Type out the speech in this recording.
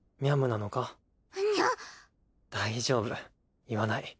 大丈夫言わない。